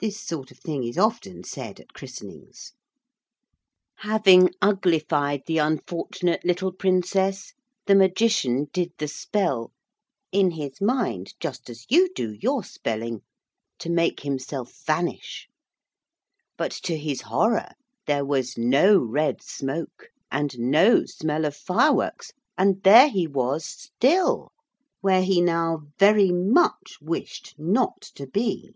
This sort of thing is often said at christenings. Having uglified the unfortunate little Princess the Magician did the spell (in his mind, just as you do your spelling) to make himself vanish, but to his horror there was no red smoke and no smell of fireworks, and there he was, still, where he now very much wished not to be.